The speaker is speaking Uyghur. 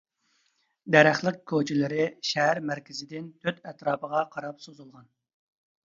دەرەخلىك كوچىلىرى شەھەر مەركىزىدىن تۆت ئەتراپىغا قاراپ سوزۇلغان.